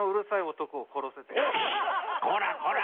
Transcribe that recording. こらこら！